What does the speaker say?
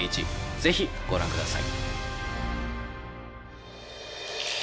是非ご覧ください。